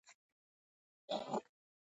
ویدي سرودونه د دې ژبې لرغونتوب ښيي.